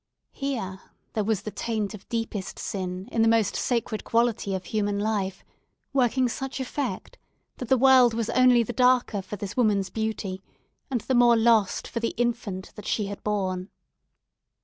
Here, there was the taint of deepest sin in the most sacred quality of human life, working such effect, that the world was only the darker for this woman's beauty, and the more lost for the infant that she had borne.